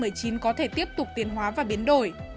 đoạn mà covid một mươi chín có thể tiếp tục tiến hóa và biến đổi